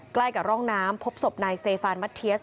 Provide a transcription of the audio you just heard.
เกิดไปกับร่องน้ำพบศพนายเซฟานมัทเทียส